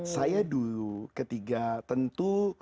saya dulu ketika tentu